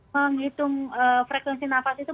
menghitung frekuensi nafas itu